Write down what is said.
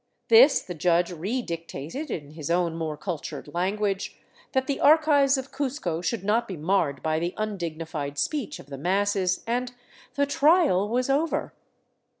This the judge redictated in his own more cultured language, that the archives of Cuzco should not be marred by the undignified speech of the masses ; and the " trial " was over.